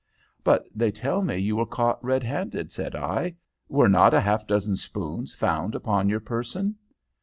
"But they tell me you were caught red handed," said I. "Were not a half dozen spoons found upon your person?"